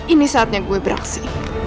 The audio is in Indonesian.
ini saatnya gue beraksi